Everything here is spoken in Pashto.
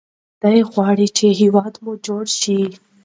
دی غواړي چې هیواد مو جوړ شي.